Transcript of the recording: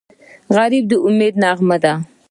غریب د امید نغمه ده